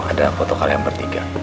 ada foto kalian bertiga